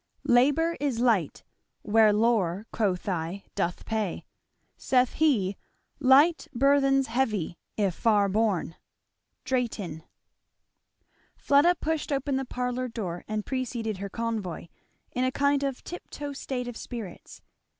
Labour is light, where lore (quoth I) doth pay; (Saith he) light burthens heavy, if far borne. Drayton. Fleda pushed open the parlour door and preceded her convoy, in a kind of tip toe state of spirits.